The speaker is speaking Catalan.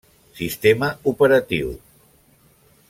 Sistema operatiu: